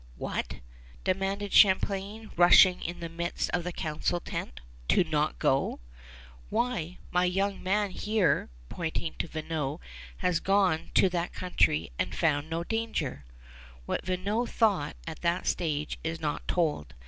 "What," demanded Champlain, rushing into the midst of the council tent, "not go? Why, my young man, here" pointing to Vignau "has gone to that country and found no danger." What Vignau thought at that stage is not told.